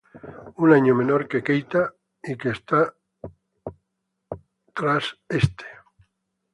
Un año menor que Keita y que esta tras este.